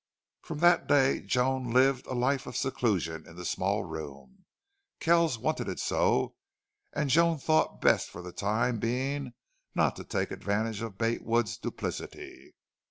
From that day Joan lived a life of seclusion in the small room. Kells wanted it so, and Joan thought best for the time being not to take advantage of Bate Wood's duplicity.